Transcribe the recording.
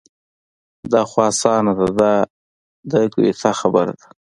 دا خو اسانه ده دا د ګویته خبره ده.